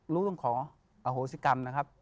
รู้ต้องขออโหสิกรรมนะครับ